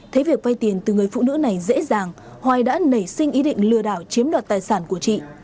thấy việc vay tiền từ người phụ nữ này dễ dàng hoài đã nảy sinh ý định lừa đảo chiếm đoạt tài sản của chị